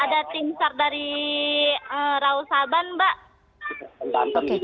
ada timsar dari rausaban mbak